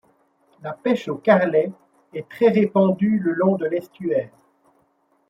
La pêche au carrelet est très répandue le long de l'estuaire.